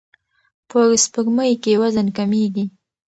په سپوږمۍ کې وزن کمیږي.